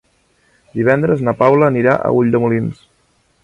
Divendres na Paula anirà a Ulldemolins.